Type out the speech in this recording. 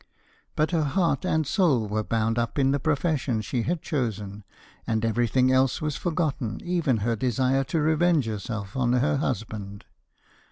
But her heart and soul were bound up in the profession she had chosen, and everything else was forgotten, even her desire to revenge herself on her husband.